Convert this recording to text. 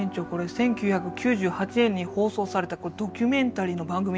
１９９８年に放送されたドキュメンタリーの番組なんですよ。